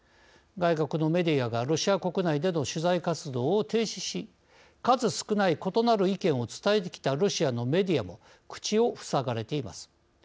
外国のメディアがロシア国内での取材活動を停止し数少ない異なる意見を伝えてきたロシアのメディアも口を塞がれています。